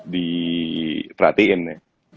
di perhatiin ya